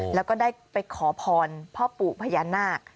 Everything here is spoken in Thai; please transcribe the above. แล้วก็ได้ไปขอพรพ่อปู่พญานาค